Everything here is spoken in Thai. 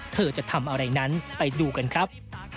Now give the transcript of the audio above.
เธอจะทำอะไรนั้นไปดูกันครับ